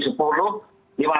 sampai ke tiga nama